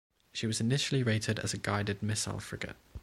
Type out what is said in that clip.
She was initially rated as a guided missile frigate.